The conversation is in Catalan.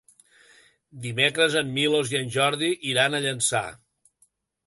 Dimecres en Milos i en Jordi iran a Llançà.